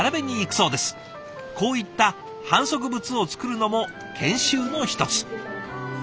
こういった販促物を作るのも研修の１つ。